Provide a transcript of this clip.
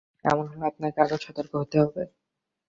এমন হলে আপনাকে আরও সতর্ক হতে হবে।